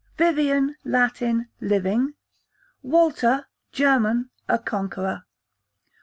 Vivian, Latin, living. Walter, German, a conqueror.